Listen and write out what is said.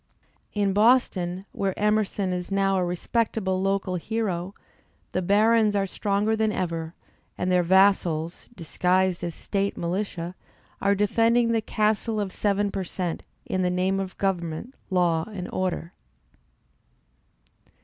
I In Boston, where Emerson is now a respectable local hero, : the barons are stronger than ever, and their vassals, disguised ' as State Militia, are defending the Castle of Seven per Cent. I in the name of government, law and order.